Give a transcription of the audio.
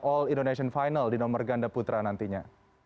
all indonesian final di nomor ganda putra nantinya